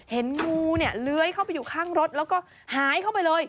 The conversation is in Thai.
เห็นงูเนี่ยเลื้อยเข้าไปอยู่ข้างรถแล้วก็หายเข้าไปเลย